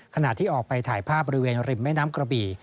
ขณะที่ออกไปถ่ายภาพบริเวณริมแม่น้ำกระบี่